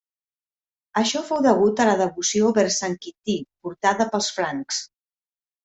Això fou degut a la devoció vers Sant Quintí portada pels francs.